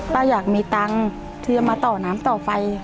อยากมีตังค์ที่จะมาต่อน้ำต่อไฟ